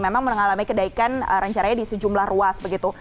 memang mengalami kedaikan rencaranya di sejumlah ruas begitu